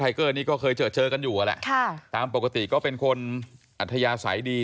เกอร์นี้ก็เคยเจอเจอกันอยู่แหละค่ะตามปกติก็เป็นคนอัธยาศัยดี